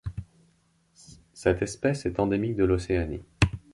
Cette espèce est endémique de l'Océanie.